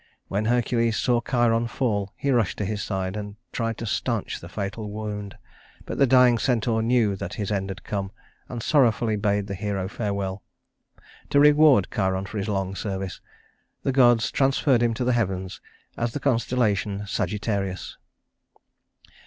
When Hercules saw Chiron fall, he rushed to his side and tried to stanch the fatal wound; but the dying centaur knew that his end had come, and sorrowfully bade the hero farewell. To reward Chiron for his long service, the gods transferred him to the heavens as the constellation Sagittarius.